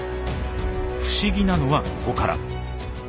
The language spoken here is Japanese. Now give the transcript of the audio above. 不思議なのはここから。